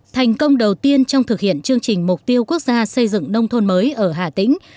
thành công đầu tiên trong thực hiện chương trình mục tiêu quốc gia xây dựng nông thôn mới ở hà tĩnh